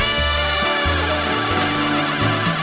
วิทยาลัยกรสการคิดสมัคร